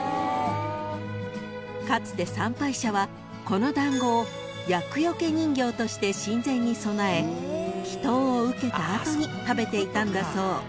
［かつて参拝者はこの団子を厄よけ人形として神前に供え祈祷を受けた後に食べていたんだそう］